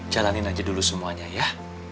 jalanin aja dulu semuanya ya